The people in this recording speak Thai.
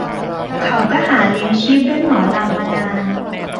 เขาก็หาเลี้ยงชีพด้วยหมอลำมานาน